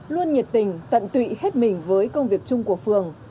luôn nhiệt tình tận tụy hết mình với công việc chung của phường